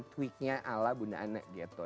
tweetnya ala bunda ana gitu